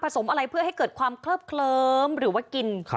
สมอะไรเพื่อให้เกิดความเคลิบเคลิ้มหรือว่ากิน